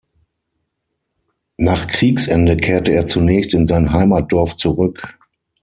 Nach Kriegsende kehrte er zunächst in sein Heimatdorf zurück.